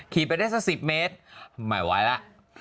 ขีดไปได้สัก๑๐เมตรไม่ไหวล่ะ